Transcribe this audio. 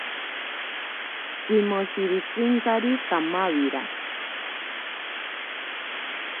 Kimoshiritsinkari kamawira.